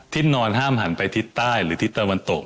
นอนห้ามหันไปทิศใต้หรือทิศตะวันตก